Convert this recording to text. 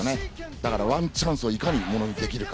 だから、ワンチャンスをいかにものにできるか。